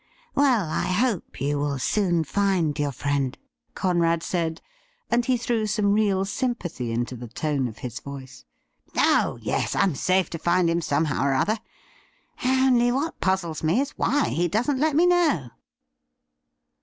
' Well, I hope you will soon find your friend,' Conrad said, and he threw some real sympathy into the tone of his voice. ' Oh yes ; I'm safe to find him somehow or other. Onl r what puzzles me is why he doesn't let me know.'